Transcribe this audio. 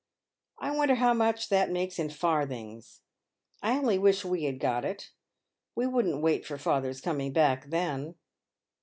" I wonder how much that makes in farthings ? I only wish we had got it, we wouldn't wait for father's coming back, then!"